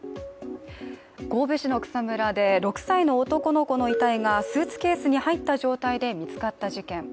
神戸市の草むらで６歳の男の子の遺体がスーツケースに入った状態で見つかった事件。